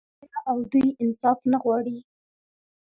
آیا او دوی انصاف نه غواړي؟